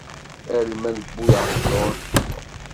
Alma n Buɛefṛun.